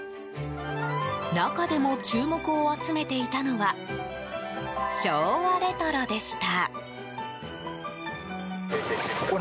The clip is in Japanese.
中でも注目を集めていたのは昭和レトロでした。